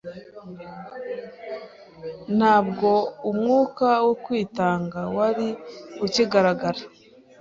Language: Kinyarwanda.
Ntabwo umwuka wo kwitanga wari ukigaragara.